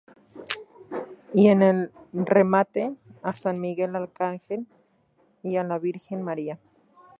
Y en el remate a San Miguel Arcángel y a la Virgen María.